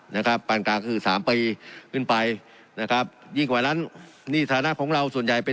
นะครับปานกลางคือสามปีขึ้นไปนะครับยิ่งกว่านั้นนี่ฐานะของเราส่วนใหญ่เป็น